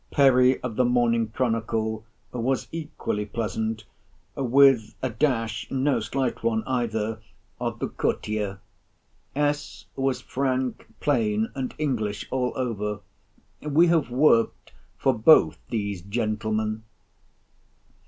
Perry, of the Morning Chronicle, was equally pleasant, with a dash, no slight one either, of the courtier. S. was frank, plain, and English all over. We have worked for both these gentlemen.